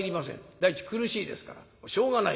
第一苦しいですからしょうがない。